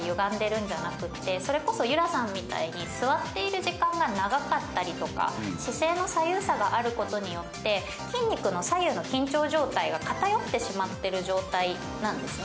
座っている時間が長かったりとか姿勢の左右差があることによって筋肉の左右の緊張状態が偏ってしまっている状態なんですね。